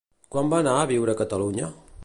Quan va anar a viure a Catalunya?